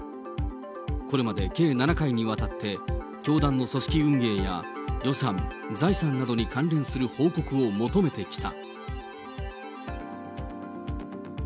これまで計７回にわたって、教団の組織運営や予算、財産などに関連する報告を求めてきた。